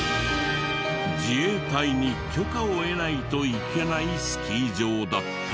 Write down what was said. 自衛隊に許可を得ないといけないスキー場だった。